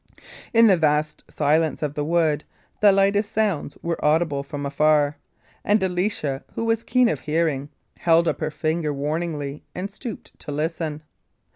In the vast silence of the wood, the lightest sounds were audible from far; and Alicia, who was keen of hearing, held up her finger warningly and stooped to listen.